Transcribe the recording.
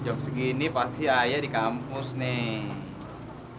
jok segini pasti aya di kampus nih